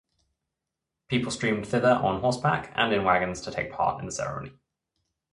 People streamed thither on horseback and in wagons to take part in the ceremony.